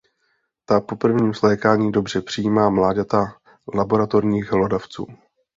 Ta po prvním svlékání dobře přijímají mláďata laboratorních hlodavců.